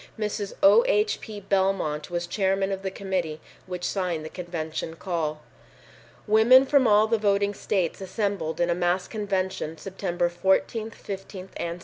Mrs. O. H. P. Belmont was chairman of the committee which signed the convention call. Women from all the voting states assembled in a mass convention September 14, 15 and 16.